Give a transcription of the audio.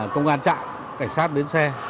công an trạng cảnh sát bến xe